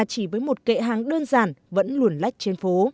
chỉ với một kệ hàng đơn giản vẫn luồn lách trên phố